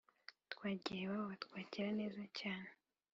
twagiye iwabo batwakira neza cyane